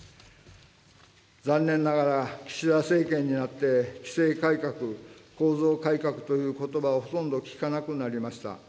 残念ながら、岸田政権になって、規制改革、構造改革ということばをほとんど聞かなくなりました。